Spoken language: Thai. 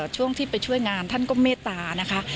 ช่วงที่ไปช่วยงานท่านก็เมตตานะคะ